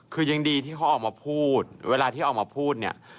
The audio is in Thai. คือยังดีที่เขาออกมาพูดเวลาที่ออกมาพูดเนี่ย